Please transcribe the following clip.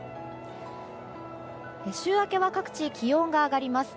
週明けは各地気温が上がります。